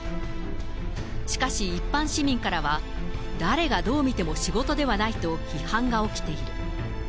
しかし一般市民からは、誰がどう見ても仕事ではないと批判が起きている。